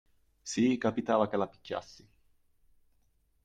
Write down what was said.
Sì, capitava che la picchiassi.